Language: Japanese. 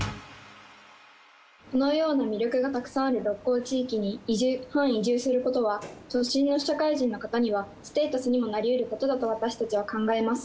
このような魅力がたくさんある鹿行地域に移住半移住することは都心の社会人の方にはステータスにもなりうることだと私たちは考えます。